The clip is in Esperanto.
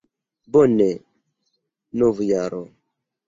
Bone, novjaro!